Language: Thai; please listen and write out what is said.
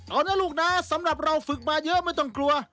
เอานะลูกนะสำหรับเราฝึกมาเยอะไม่ต้องกลัว